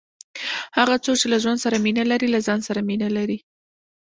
هغه څوک، چي له ژوند سره مینه لري، له ځان سره مینه لري.